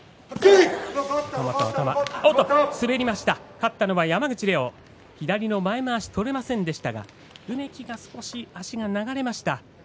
勝ったのは山口怜央左の前まわし取れませんでしたが梅木が少し足が流れました。